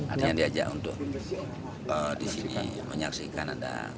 adanya diajak untuk di sini menyaksikan